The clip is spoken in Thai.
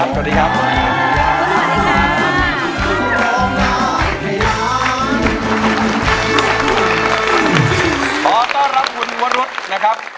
ขอต้อนรับคุณวรุษนะครับ